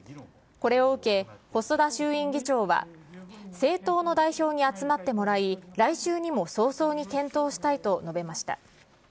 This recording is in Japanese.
これを受け、細田衆院議長は、政党の代表に集まってもらい、来週にも早々に検討したいと述べました。